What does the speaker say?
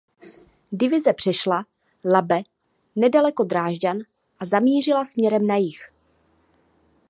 Divize přešla Labe nedaleko Drážďan a zamířila směrem na jih.